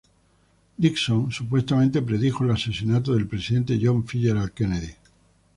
Dixon supuestamente predijo el asesinato del presidente John F. Kennedy.